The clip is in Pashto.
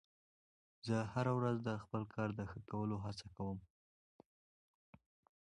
زه هره ورځ د خپل کار د ښه کولو هڅه کوم